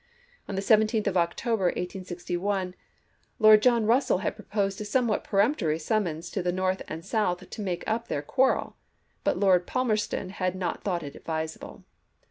On the 17th of October, 1861, Lord John Russell had proposed a somewhat peremptory summons to the North and South to make up their quarrel, but Lord Palmerston had not thought it advisable.